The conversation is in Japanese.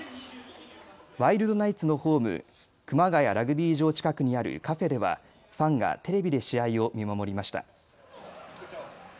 ワイルドナイツのホーム、熊谷ラグビー場近くにあるカフェではファンがテレビで試合を見守りました。